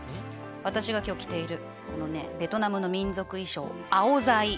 私が今日着ているこのねベトナムの民族衣装アオザイ。